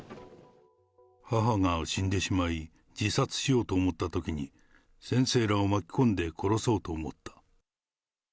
母が死んでしまい、自殺しようと思ったときに、先生らを巻き込んで殺そうと思った。